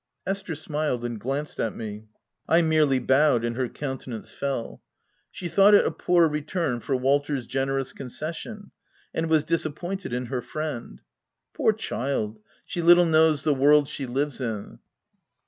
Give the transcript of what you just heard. Esther smiled and glanced at me : I merely bowed, and her countenance fell. She thought it a poor return for Walter's generous conces sion, and was disappointed in her friend. Poor child, she little knows the world she lives in